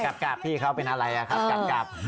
กลับพี่เขาเป็นอะไรครับกลับ